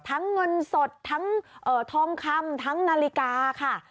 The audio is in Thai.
ทั้งเงินสดทั้งเอ่อท่องคำทั้งนาฬิกาค่ะ